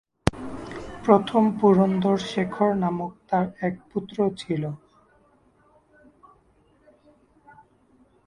প্রথম পুরন্দর শেখর নামক তার এক পুত্র ছিল।